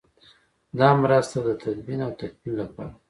دا مرسته د تدفین او تکفین لپاره ده.